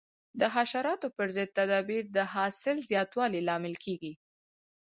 د حشراتو پر ضد تدابیر د حاصل زیاتوالي لامل کېږي.